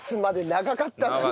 長かったね。